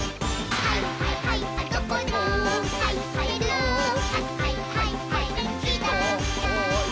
「はいはいはいはいマン」